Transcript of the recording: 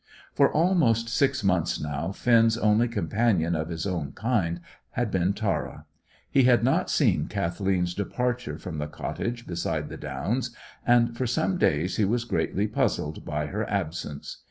For almost six months now Finn's only companion of his own kind had been Tara. He had not seen Kathleen's departure from the cottage beside the Downs, and for some days he was greatly puzzled by her absence.